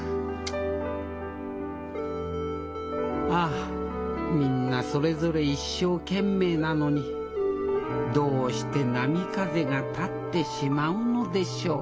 ああみんなそれぞれ一生懸命なのにどうして波風が立ってしまうのでしょう？